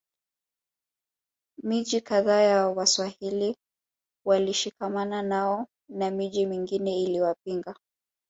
Miji kadhaa ya Waswahili walishikamana nao na miji mingine iliwapinga